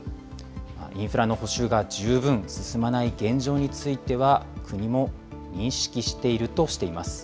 インフラの補修が十分進まない現状については、国も認識しているとしています。